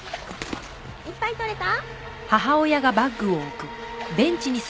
いっぱいとれた？